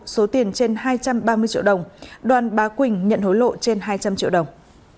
số tiền trên hai trăm ba mươi triệu đồng đoàn bá quỳnh nhận hối lộ trên hai trăm linh triệu đồng